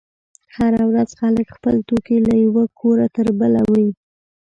هره ورځ خلک خپل توکي له یوه کوره تر بله پورې وړي.